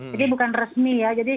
jadi bukan resmi ya